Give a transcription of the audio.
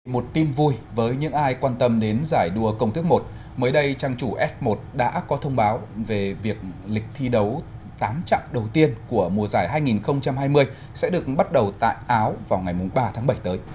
một tin vui với những ai quan tâm đến giải đua công thức một mới đây trang chủ f một đã có thông báo về việc lịch thi đấu tám trạng đầu tiên của mùa giải hai nghìn hai mươi sẽ được bắt đầu tại áo vào ngày ba tháng bảy tới